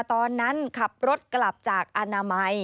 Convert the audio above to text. ตอนนั้นขับรถกลับจากอนามัย